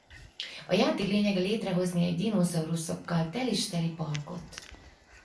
A játék lényege létrehozni egy dinoszauruszokkal telis-teli parkot.